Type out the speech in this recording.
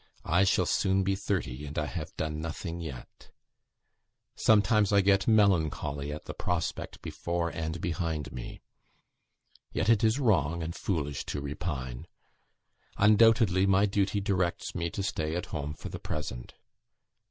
I shall soon be thirty; and I have done nothing yet. Sometimes I get melancholy at the prospect before and behind me. Yet it is wrong and foolish to repine. Undoubtedly, my duty directs me to stay at home for the present.